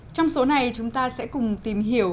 trong số này chúng ta sẽ cùng tìm hiểu